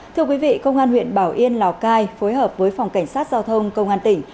thưa quý vị công an huyện bảo yên lào cai phối hợp với phòng cảnh sát giao thông công an tỉnh